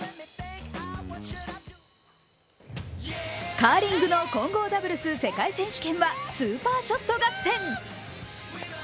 カーリングの混合ダブルス世界選手権はスーパーショット合戦。